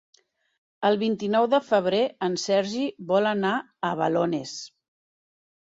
El vint-i-nou de febrer en Sergi vol anar a Balones.